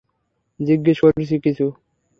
জিজ্ঞেস করছি কিছু।